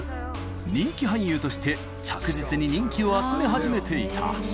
人気俳優として着実に人気を集め始めていた。